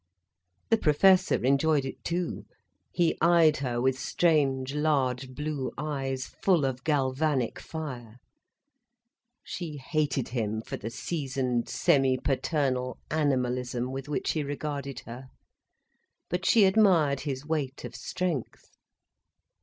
The Professor enjoyed it too, he eyed her with strange, large blue eyes, full of galvanic fire. She hated him for the seasoned, semi paternal animalism with which he regarded her, but she admired his weight of strength.